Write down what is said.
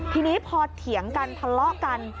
ทีนี้พอเถียงกันทะเลาะกัน